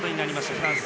フランス。